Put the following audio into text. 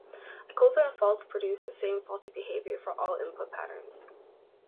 Equivalent faults produce the same faulty behavior for all input patterns.